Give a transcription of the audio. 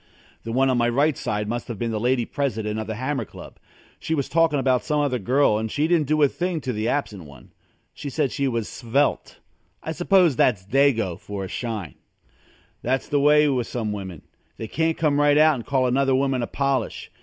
The one on my right must have been the Lady President of The Hammer Club. She was talking about some other girl and she didn't do a thing to the absent one. She said she was svelte. I suppose that's Dago for a shine. That's the way with some women. They can't come right out and call another woman a polish.